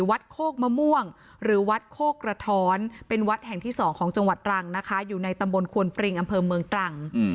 โคกมะม่วงหรือวัดโคกระท้อนเป็นวัดแห่งที่๒ของจังหวัดตรังนะคะอยู่ในตำบลควนปริงอำเภอเมืองตรัง